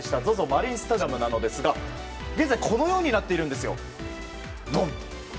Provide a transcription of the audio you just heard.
マリンスタジアムですが現在このようになっているんです。